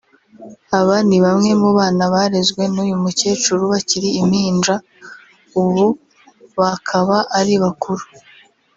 Aba ni bamwe mu bana barezwe n’uyu mukecuru bakiri impinja ubu bakaba ari bakuru